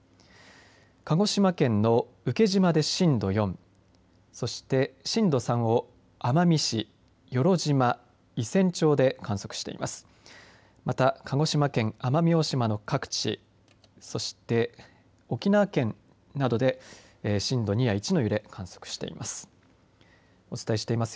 鹿児島県の請島で震度４そして震度３を奄美市よろ島伊仙町で観測しています。